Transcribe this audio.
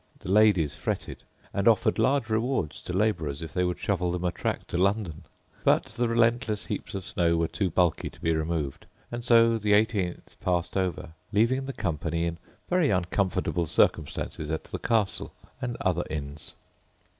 The ladies fretted, and offered large rewards to labourers, if they would shovel them a track to London; but the relentless heaps of snow were too bulky to be removed; and so the 18th passed over, leaving the company in very uncomfortable circumstances at the Castle and other inns.